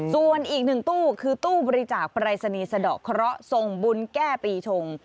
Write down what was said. ส่วนอีกหนึ่งตู้คือตู้บริจาคปรายศนีย์สะดอกเคราะห์ส่งบุญแก้ปีชง